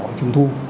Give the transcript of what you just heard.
ở trung thu